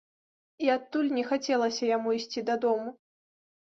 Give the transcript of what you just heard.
І адтуль не хацелася яму ісці дадому.